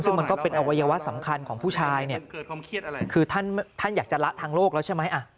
ซึ่งมันก็เป็นอวัยวะสำคัญของผู้ชายเนี่ยคือท่านอยากจะละทางโลกแล้วใช่ไหม